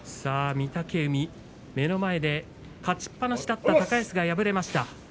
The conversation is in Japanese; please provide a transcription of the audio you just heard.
御嶽海は目の前で勝ちっぱなしだった高安が敗れました。